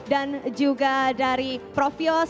dan juga dari prof yos